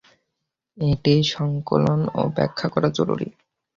এটি সংকলন ও ব্যাখ্যা করা জরুরী।